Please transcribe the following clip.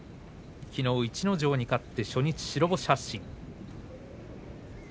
きのう逸ノ城に勝って初日白星発進。